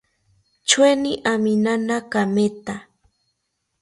Choeni aminana kametha